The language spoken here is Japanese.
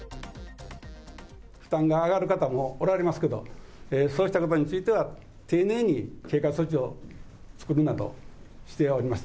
負担が上がる方もおられますけど、そうしたことについては丁寧に経過措置を作るなどしております。